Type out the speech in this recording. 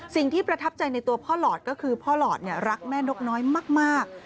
ประทับใจในตัวพ่อหลอดก็คือพ่อหลอดรักแม่นกน้อยมาก